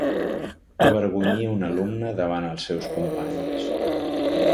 Avergonyir un alumne davant els seus companys.